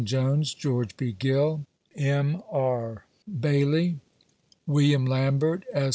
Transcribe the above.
Jones, George B. Gill, M. ~. Bailey, William Lambert, S.